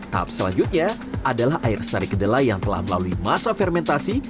tahap selanjutnya adalah air sari kedelai yang telah melalui masa fermentasi